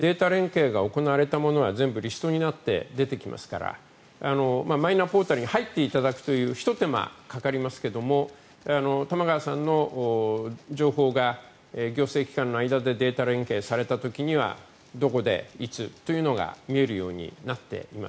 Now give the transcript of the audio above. いっていませんけれどもマイナポータルを見ていただくと行政機関の間でデータ連携が行われたものは全部リストになって出てきますからマイナポータルに入っていただくというひと手間かかりますが玉川さんの情報が行政機関の間でデータ連携された時にはどこで、いつ、というのが見えるようになっています。